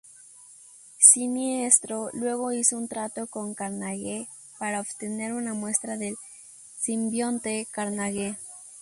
Siniestro luego hizo un trato con Carnage para obtener una muestra del simbionte Carnage.